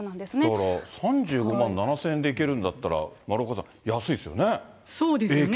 だから３５万７０００円でいけるんだったら、丸岡さん、安いそうですね。